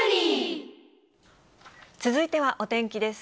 続いてはお天気です。